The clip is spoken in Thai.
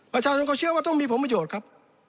ประชาชนเขาเชื่อว่าต้องมีผลประโยชน์ครับ